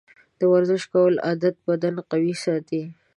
د ورزش کولو عادت بدن قوي ساتي.